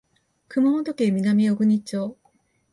熊本県南小国町